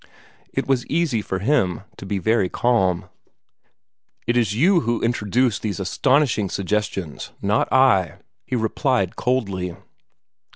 It was easy for him to be very calm. "It is you who introduce these astonishing suggestions, not I," he replied coldly.